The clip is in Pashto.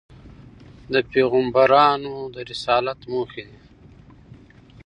د پیغمبرانود رسالت موخي دي.